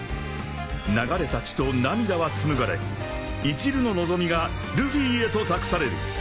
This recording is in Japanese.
［流れた血と涙は紡がれいちるの望みがルフィへと託される！］